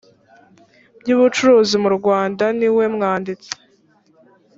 by ubucuruzi mu rwanda niwe mwanditsi